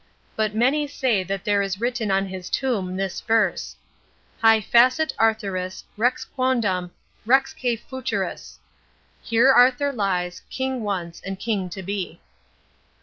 But many say that there is written on his tomb this verse: "Hie facet Arthurus, Rex quondam, Rexque futurus." Here Arthur lies, King once and King to be.